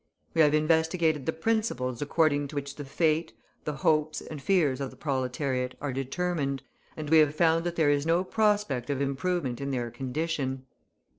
We have investigated the principles according to which the fate, the hopes, and fears of the proletariat are determined, and we have found that there is no prospect of improvement in their condition.